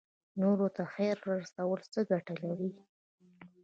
نورو ته خیر رسول څه ګټه لري؟